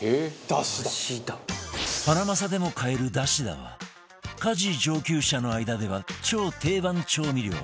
「ダシダ」ハナマサでも買えるダシダは家事上級者の間では超定番調味料